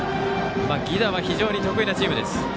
犠打は非常に得意なチームです。